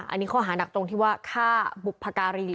อันนี้ข้อหานักตรงที่ว่าฆ่าบุพการี